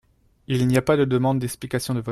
Il n’y a pas de demande d’explication de votes.